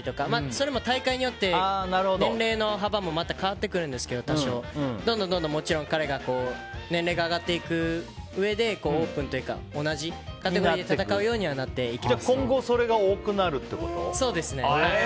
それも大会によって年齢の幅も多少また変わってくるんですけどどんどん、もちろん彼が年齢が上がっていくうえでオープンというか同じカテゴリーでじゃあ今後それがそうですね。